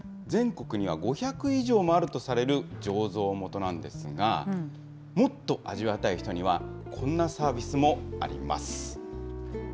全国には５００以上もあるとされる醸造元なんですが、もっと味わいたい人には、こんなサービスもあります。